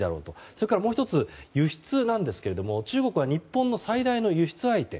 それからもう１つ、輸出ですが中国は日本の最大の輸出相手。